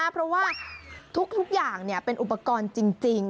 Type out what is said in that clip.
เพราะว่าทุกอย่างเป็นอุปกรณ์จริง